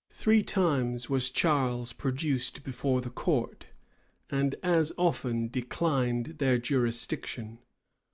] Three times was Charles produced before the court, and as often declined their jurisdiction.